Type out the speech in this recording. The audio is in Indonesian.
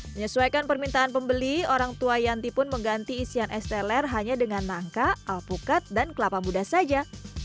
menyesuaikan permintaan pembeli orang tua yanti pun mengganti isian es teler hanya dengan nangka alpukat dan kelapa muda saja